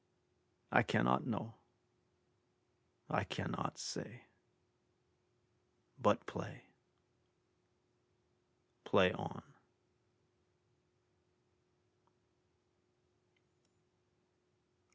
I cannot know. I cannot say. But play, play on.